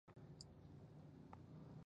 ازادي راډیو د تعلیم حالت په ډاګه کړی.